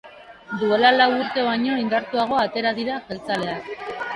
Duela lau urte baino indartuago atera dira jeltzaleak.